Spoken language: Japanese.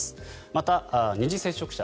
また二次接触者